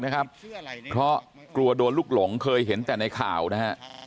นะครับเพราะกลัวโดนลูกหลงเคยเห็นแต่ในข่าวนะฮะ